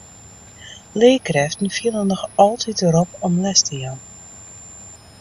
Learkrêften fiele noch altyd de rop om les te jaan.